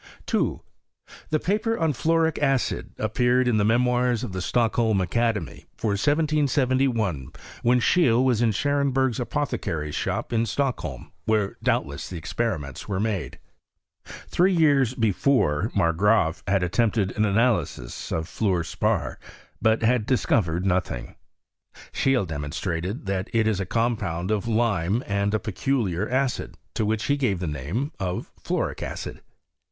The paper on fluoric add appeared in the Memoirs ofthe Stockholm Academy, for 1771, when Scheete was in Scharenbei^'s apothecary's shop in Stockholm, where, doubtless, the experiments were made. Three years before, Mat^;raaf had attempted an analysis of fluor spar, but had discovered notung. Schecle demonBtraled that it is a compound of lime and a peculiar acid, to which he gave the name of fiuoTtc acid.